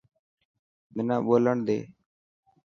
منا ٻولڻ ڏي.